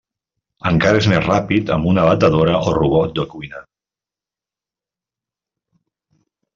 Encara és més ràpid amb una batedora o robot de cuina.